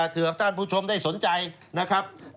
เถอะคุณผู้ชมได้สนใจนะครับ